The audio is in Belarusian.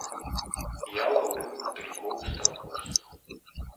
Я лаўлю матылькоў і стракоз.